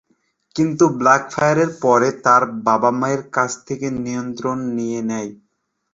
কিন্তু, ব্ল্যাকফায়ার পরে তার বাবা-মায়ের কাছ থেকে নিয়ন্ত্রণ নিয়ে নেয়।